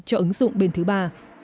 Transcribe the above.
cho ứng dụng bên thứ ba